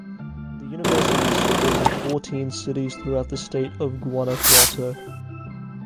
The university has schools in fourteen cities throughout the state of Guanajuato.